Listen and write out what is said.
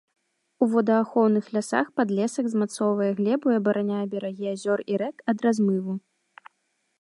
У водаахоўных лясах падлесак змацоўвае глебу і абараняе берагі азёр і рэк ад размыву.